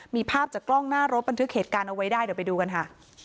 มีภาพจากกล้องหน้ารถบันทึกเหตุการณ์เอาไว้ได้เดี๋ยวไปดูกันค่ะ